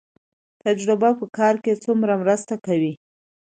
تجربه په کار کې څومره مرسته کوي؟